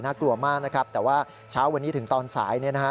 น่ากลัวมากนะครับแต่ว่าเช้าวันนี้ถึงตอนสาย